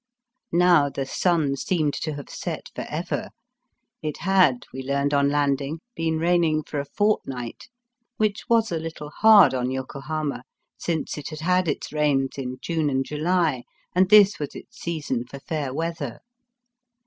Now the sun seemed to have set for ever. It had, we learned on landing, been raining for a fortnight ; which was a little hard on Yoko hama, since it had had its rains in June and July, and this was its season for fair weather.